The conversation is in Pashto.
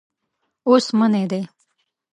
اوس منی دی.